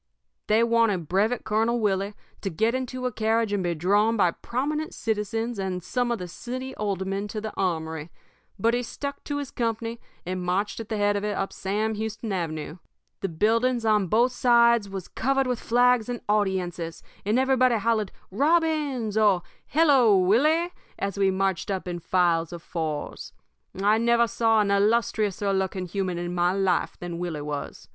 "They wanted Brevet Colonel Willie to get into a carriage and be drawn by prominent citizens and some of the city aldermen to the armory, but he stuck to his company and marched at the head of it up Sam Houston Avenue. The buildings on both sides was covered with flags and audiences, and everybody hollered 'Robbins!' or 'Hello, Willie!' as we marched up in files of fours. I never saw a illustriouser looking human in my life than Willie was.